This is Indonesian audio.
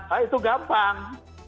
nah itu gampang